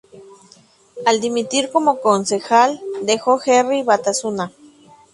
Al dimitir como concejal, dejó Herri Batasuna.